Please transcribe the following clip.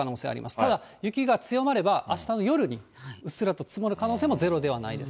ただ、雪が強まれば、あしたの夜にうっすらと積もる可能性もゼロではないです。